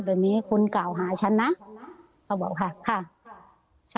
ถ้าพี่ถ้าพี่ถ้าพี่ถ้าพี่ถ้าพี่ถ้าพี่ถ้าพี่